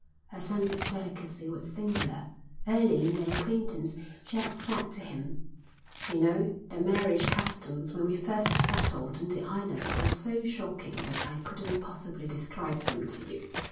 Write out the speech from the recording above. Her sense of delicacy was singular. Early in their acquaintance she had said to him: "You know, their marriage customs when we first settled in the islands were so shocking that I couldn't possibly describe them to you.